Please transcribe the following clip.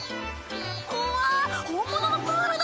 うわ本物のプールだ！